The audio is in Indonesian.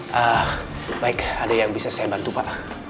baik ada yang bisa saya bantu pak